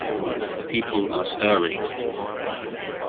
The people are stirring.